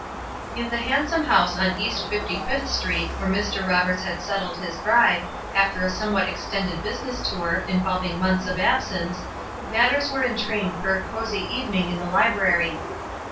In the handsome house on East Fifty fifth Street, where Mr. Roberts had settled his bride, after a somewhat extended business tour, involving months of absence, matters were in train for a cosy evening in the library.